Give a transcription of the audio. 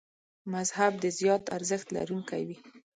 مذهب د زیات ارزښت لرونکي و.